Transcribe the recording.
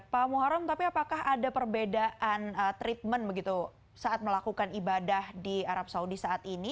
pak muharrem apakah ada perbedaan treatment saat melakukan ibadah di arab saudi saat ini